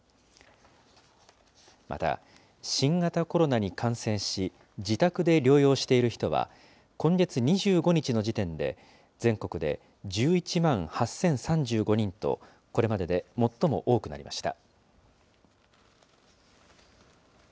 また、新型コロナに感染し、自宅で療養している人は、今月２５日の時点で全国で１１万８０３５人と、これまでで最も多くなりました。